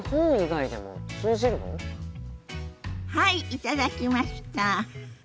はい頂きました！